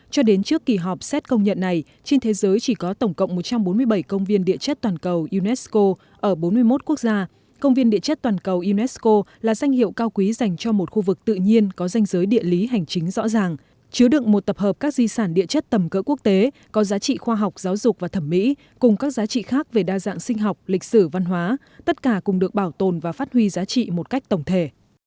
cho đến trước kỳ họp xét công nhận này trên thế giới chỉ có tổng cộng một trăm bốn mươi bảy công viên địa chất toàn cầu unesco ở bốn mươi một quốc gia công viên địa chất toàn cầu unesco là danh hiệu cao quý dành cho một khu vực tự nhiên có danh giới địa lý hành chính rõ ràng chứa đựng một tập hợp các di sản địa chất tầm cỡ quốc tế có giá trị khoa học giáo dục và thẩm mỹ cùng các giá trị khác về đa dạng sinh học lịch sử văn hóa tất cả cùng được bảo tồn và phát huy giá trị một cách tổng thể